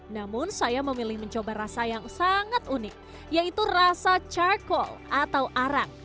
namun saya memilih mencoba rasa yang sangat unik yaitu rasa charcoal atau arang